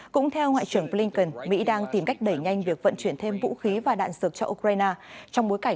cũng theo ngoại trưởng blinken mỹ đang tìm cách đẩy nhanh việc vận chuyển thêm vũ khí và đạn sược cho ukraine